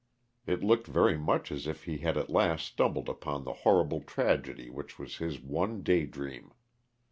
It looked very much as if he had at last stumbled upon the horrible tragedy which was his one daydream.